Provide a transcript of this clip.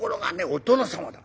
お殿様だ。